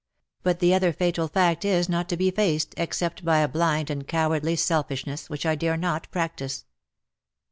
But the other fatal fact is not to be faced, except by a blind and cowardly selfishness which I dare not practise."